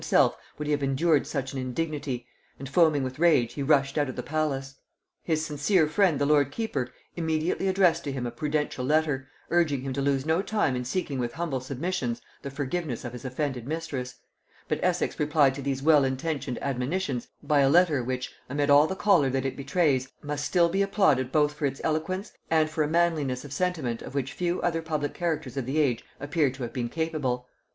himself would he have endured such an indignity, and foaming with rage he rushed out of the palace. His sincere friend the lord keeper immediately addressed to him a prudential letter, urging him to lose no time in seeking with humble submissions the forgiveness of his offended mistress: but Essex replied to these well intended admonitions by a letter which, amid all the choler that it betrays, must still be applauded both for its eloquence and for a manliness of sentiment of which few other public characters of the age appear to have been capable.